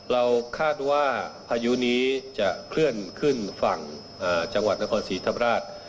เราคาดว่าพายุนี้จะเคลื่อนขึ้นฝั่งจังหวัดนครศรีธรรมราช